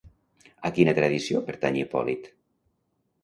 A quina tradició pertany Hipòlit?